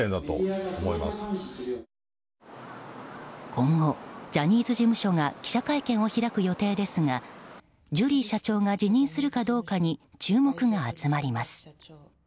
今後、ジャニーズ事務所が記者会見を開く予定ですがジュリー社長が辞任するかどうかに注目が集まります。